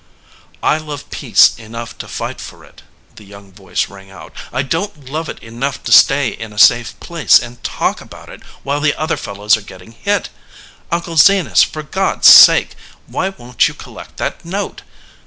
"I love peace enough to fight for it," the young voice rang out. "I don t love it enough to stay in a safe place and talk about it while the other fel lows are getting hit. Uncle Zenas, for God s sake, why won t you collect that note?